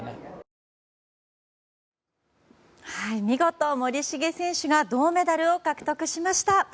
見事、森重選手が銅メダルを獲得しました。